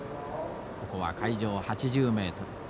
ここは海上８０メートル。